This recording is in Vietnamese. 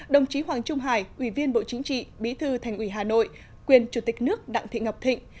đồng chí hoàng trung hải ủy viên bộ chính trị bí thư thành ủy hà nội quyền chủ tịch nước đặng thị ngọc thịnh